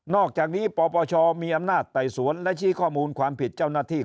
อกจากนี้ปปชมีอำนาจไต่สวนและชี้ข้อมูลความผิดเจ้าหน้าที่